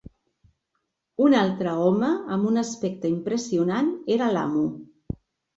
Un altre home amb un aspecte impressionant era l'amo.